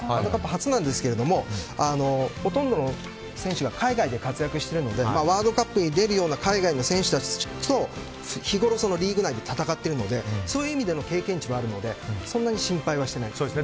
初なんですけどほとんどの選手が海外で活躍しているのでワールドカップに出るような海外の選手たちと日ごろリーグ内で戦っているので、そういう意味で経験値はあるのでそんなに心配はしてないです。